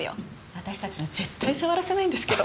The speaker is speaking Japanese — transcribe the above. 私たちには絶対触らせないんですけど。